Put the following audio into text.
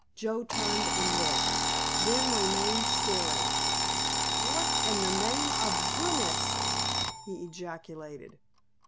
Joe turned and looked, then remained staring. "What in the name of goodness——" he ejaculated.